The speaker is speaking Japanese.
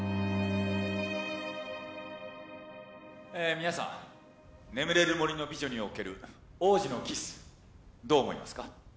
皆さん『眠れる森の美女』における王子のキスどう思いますか？